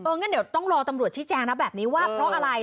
งั้นเดี๋ยวต้องรอตำรวจชี้แจงนะแบบนี้ว่าเพราะอะไร